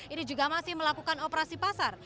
ini juga masih melakukan operasi pasar